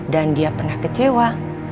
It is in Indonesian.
dan dia pernah kecewa